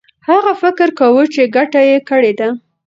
هغه فکر کاوه چي ګټه یې کړې ده.